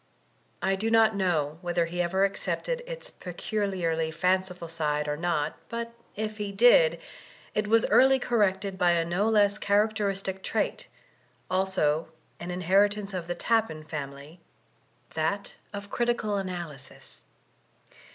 I do not know whether he ever accepted its peculiarly fanciful side or not; but if he did, it was early corrected by a no less diaracteristic trait, also an inheritance of the Tappan family, that of critical analy sis.